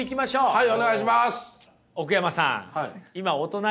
はい。